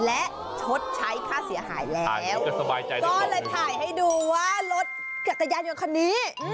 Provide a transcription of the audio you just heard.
และทดใช้ค่าเสียหายแล้วก็เลยถ่ายให้ดูว่ารถกัตตะยานอยู่ในนี้